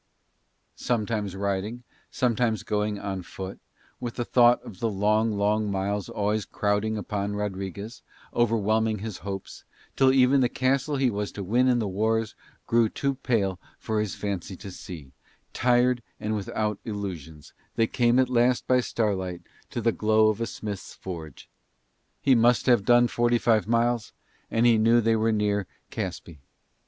Sometimes riding, sometimes going on foot, with the thought of the long, long miles always crowding upon Rodriguez, overwhelming his hopes; till even the castle he was to win in the wars grew too pale for his fancy to see, tired and without illusions, they came at last by starlight to the glow of a smith's forge. He must have done forty five miles and he knew they were near Caspe.